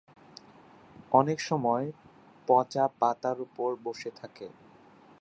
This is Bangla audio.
অনেকসময় পচা পাতার উপর বসে থাকে।